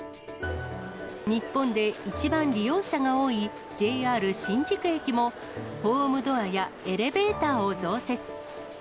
日本で一番利用者が多い、ＪＲ新宿駅も、ホームドアやエレベーターを増設。